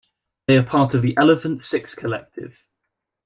They are part of the Elephant Six Collective.